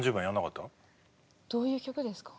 どういう曲ですか？